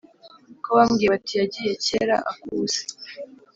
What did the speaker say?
ko bambwiye bati yagiye kera ak’ubusa.